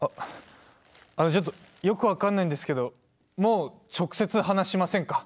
あのちょっとよく分かんないんですけどもう直接話しませんか？